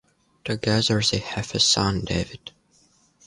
Together they have a son, David.